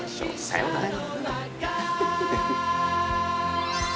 さようなら。